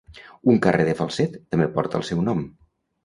Un carrer de Falset també porta el seu nom.